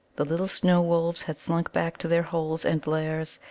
The little snow wolves had slunk back to their holes and lairs.